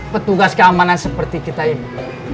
petugas keamanan seperti kita ini